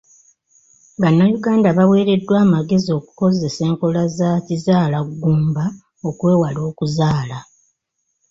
Bannayuganda baweereddwa amagezi okukozesa enkola za kizaalaggumba okwewala okuzaala.